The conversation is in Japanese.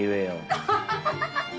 アハハハハハ！